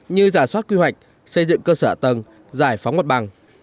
như giả soát quy hoạch xây dựng cơ sở tầng giải phóng mặt bằng